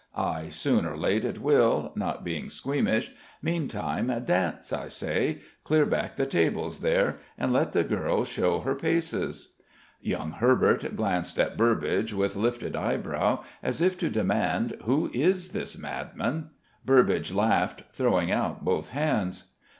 Ay, soon or late it will, not being squeamish. Meantime, dance, I say! Clear back the tables there, and let the girl show her paces!" Young Herbert glanced at Burbage with lifted eyebrow, as if to demand, "Who is this madman?" Burbage laughed, throwing out both hands.